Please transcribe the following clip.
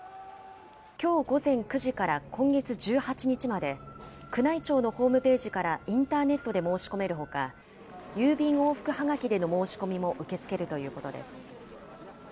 きょう午前９時から今月１８日まで、宮内庁のホームページからインターネットで申し込めるほか、郵便往復はがきでの申し込みも受け付けるということです。